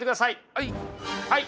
はいはい。